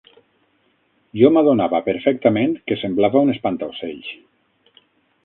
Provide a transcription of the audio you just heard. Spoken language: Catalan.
Jo m'adonava perfectament que semblava un espantaocells